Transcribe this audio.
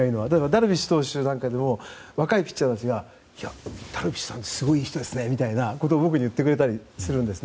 ダルビッシュ投手なんかよりも若いピッチャーたちがダルビッシュさんってすごくいい人ですねみたいなことを僕に言ってくれたりするんです。